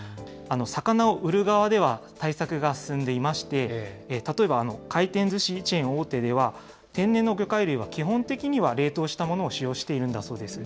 魚を売る側では対策が進んでいまして、例えば回転ずしチェーン大手では、天然の魚介類は基本的には冷凍したものを使用しているんだそうです。